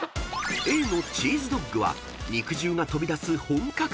［Ａのチーズドッグは肉汁が飛び出す本格派］